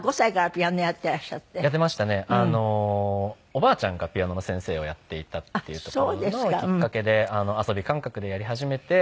おばあちゃんがピアノの先生をやっていたっていうところのきっかけで遊び感覚でやり始めて。